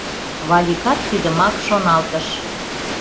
Валикат тидымак шоналтыш.